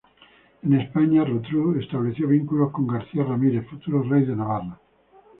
En España, Rotrou estableció vínculos con García Ramírez, futuro rey de Navarra.